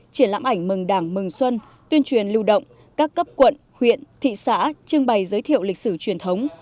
triển lãm ảnh mừng đảng mừng xuân tuyên truyền lưu động các cấp quận huyện thị xã trưng bày giới thiệu lịch sử truyền thống